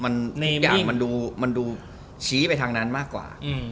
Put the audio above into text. ทุกอย่างมันดูชี้ไปทางนั้นมากกว่า